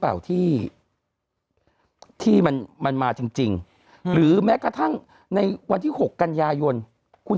เปล่าที่ที่มันมันมาจริงหรือแม้กระทั่งในวันที่๖กันยายนคุณ